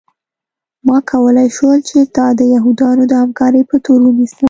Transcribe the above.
ما کولی شول چې تا د یهودانو د همکارۍ په تور ونیسم